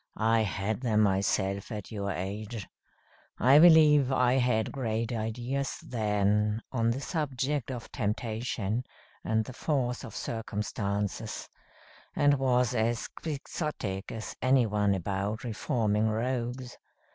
I had them myself at your age. I believe I had great ideas then, on the subject of temptation and the force of circumstances; and was as Quixotic as any one about reforming rogues.